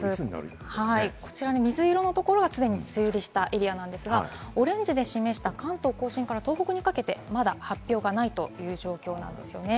こちらに水色のところは、すでに梅雨入りしたエリアですが、オレンジで示した関東甲信から東北にかけて、まだ発表がないという状況です。